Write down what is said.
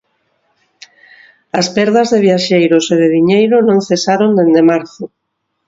As perdas de viaxeiros e de diñeiro non cesaron dende marzo.